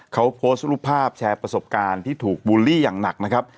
เขาโพสต์รูปภาพแชร์ประสบการณ์ที่ถูกบูลลี่อย่างหนักนะครับ